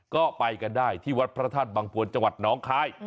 ก็ไปกันได้ที่วัดพระธาตุบังพวนจังหวัดน้องคาย